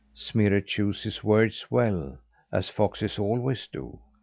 Smirre chose his words well as foxes always do.